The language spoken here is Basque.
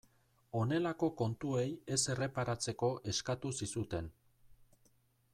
Honelako kontuei ez erreparatzeko eskatu zizuten.